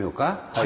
はい。